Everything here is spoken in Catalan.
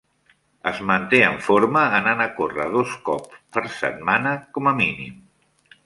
Es manté en forma anant a córrer dos cops per setmana com a mínim.